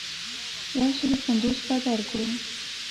یو سلو پنځوس به درکړو.